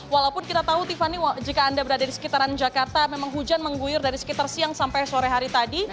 walaupun kita tahu tiffany jika anda berada di sekitaran jakarta memang hujan mengguyur dari sekitar siang sampai sore hari tadi